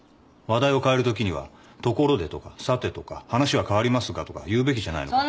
話題を変えるときには「ところで」とか「さて」とか「話は変わりますが」とか言うべきじゃないのか？